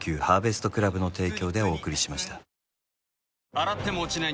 洗っても落ちない